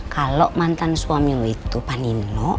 kalau mantan suami lo itu panino